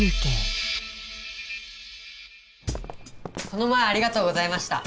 この前ありがとうございました。